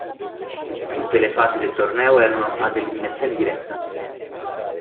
Tutte le fasi del torneo erano ad eliminazione diretta.